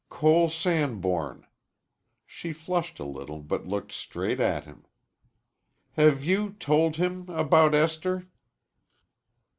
"Cole Sanborn." She flushed a little, but looked straight at him. "Have you told him about Esther?"